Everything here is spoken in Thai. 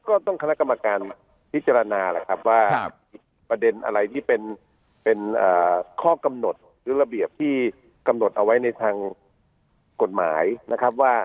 ก็ต้องคณะกรรมการพิจารณาแหละครับว่าประเด็นอะไรที่เป็นข้อกำหนดหรือระเบียบที่กำหนดเอาไว้ในทางกฎหมายนะครับว่า